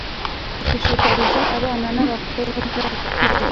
gushishikariza abana b'abakobwa kwiga